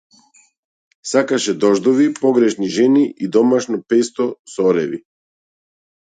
Сакаше дождови, погрешни жени и домашно песто со ореви.